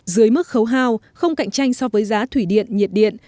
dưới mức khấu hao không cạnh tranh so với giá thủy điện nhiệt điện